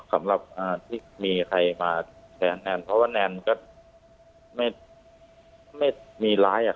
สำหรับที่มีใครมาแชร์แนนเพราะว่าแนนก็ไม่มีร้ายอ่ะ